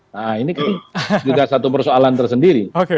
nah ini kan juga satu persoalan tersendiri